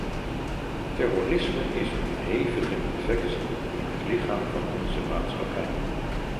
Terrorisme is een hevige infectie in het lichaam van onze maatschappij.